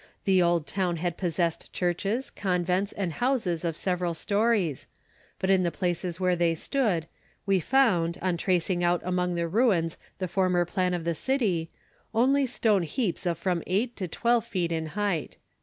The old town had possessed churches, convents, and houses of several stories; but in the places where they stood, we found, on tracing out among the ruins the former plan of the city, only stone heaps of from eight to twelve feet in height."